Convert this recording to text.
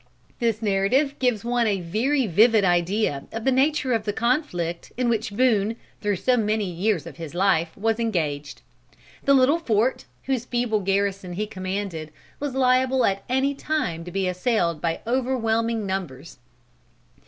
] This narrative gives one a very vivid idea of the nature of the conflict in which Boone, through so many years of his life, was engaged. The little fort, whose feeble garrison he commanded, was liable at any time to be assailed by overwhelming numbers.